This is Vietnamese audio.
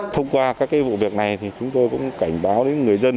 thông qua các vụ việc này thì chúng tôi cũng cảnh báo đến người dân